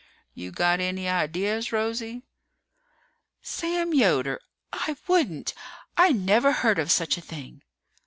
You got any ideas, Rosie?" "Sam Yoder! I wouldn't! I never heard of such a thing!"